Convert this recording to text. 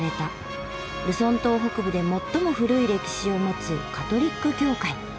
ルソン島北部で最も古い歴史を持つカトリック教会。